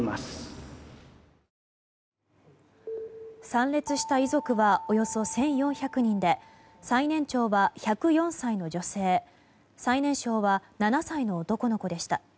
参列した遺族はおよそ１４００人で最年長は１０４歳の女性最年少は７歳の男の子でした。